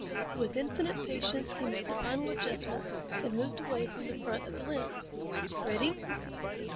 With infinite patience he made the final adjustments and moved away from the front of the lens. "Ready?"